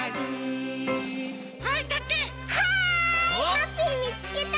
ハッピーみつけた！